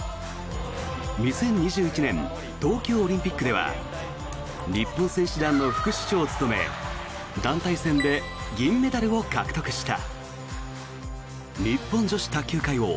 ２０２１年東京オリンピックでは日本選手団の副主将を務め団体戦で銀メダルを獲得した。